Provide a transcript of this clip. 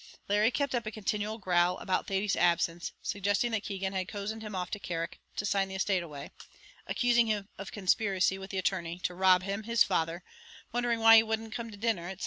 Larry kept up a continual growl about Thady's absence, suggesting that Keegan had cozened him off to Carrick, to sign the estate away; accusing him of conspiracy with the attorney, to rob him, his father; wondering why he wouldn't come to dinner, &c.